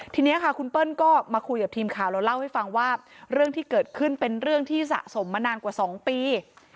ทีนี้ค่ะคุณเปิ้ลก็มาคุยกับทีมข่าวแล้วเล่าให้ฟังว่าเรื่องที่เกิดขึ้นเป็นเรื่องที่สะสมมานานกว่า๒ปี